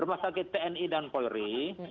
rumah sakit tni dan polri